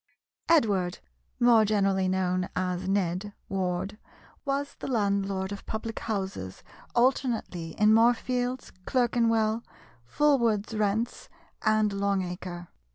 Edward (more generally known as Ned) Ward was the landlord of public houses alternately in Moorfields, Clerkenwell, Fulwood's Rents, and Long Acre.